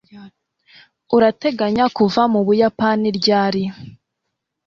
Urateganya kuva mu Buyapani ryari